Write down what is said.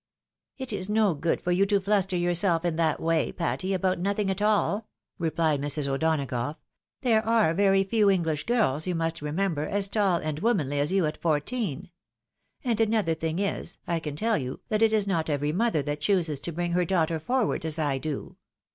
"It is no good for you to fluster yoiurself in that way, Patty, about nothing at all," replied Mrs. O'Donagough. "There are very few English girls, you must remember, as tall and womanly as you, at fourteen. And another thing is, I can tell you, that it is not every mother that chooses to bring her daughter forward as I do.